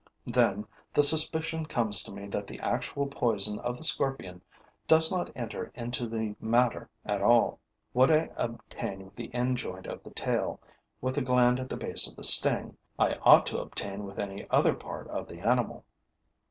Then the suspicion comes to me that the actual poison of the scorpion does not enter into the matter at all. What I obtain with the end joint of the tail, with the gland at the base of the sting, I ought to obtain with any other part of the animal.